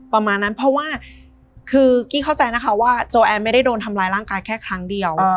ประมาณนั้นเพราะว่าคือกี้เข้าใจนะคะว่าโจแอนไม่ได้โดนทำร้ายร่างกายแค่ครั้งเดียว